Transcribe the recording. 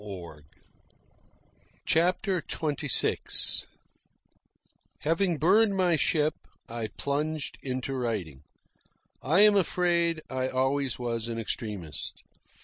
CHAPTER XXVI Having burned my ship, I plunged into writing. I am afraid I always was an extremist.